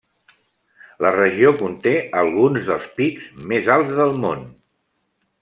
La regió conté alguns dels pics més alts del món.